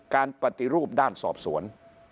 การปฏิรูปด้านสอบสวน